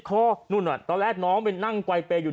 ตอนแรกน้อยหนังกวายเปย์มา